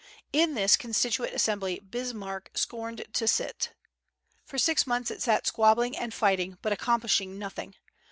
In this constituent assembly Bismarck scorned to sit. For six months it sat squabbling and fighting, but accomplishing nothing.